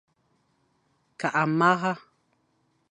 Ke mara,